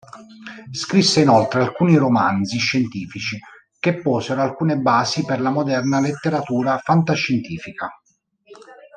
Scrisse inoltre alcuni romanzi scientifici, che posero alcune basi per la moderna letteratura fantascientifica.